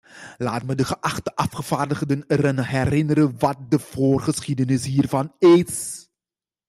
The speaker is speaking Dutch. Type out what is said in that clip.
Laat me de geachte afgevaardigden eraan herinneren wat de voorgeschiedenis hiervan is.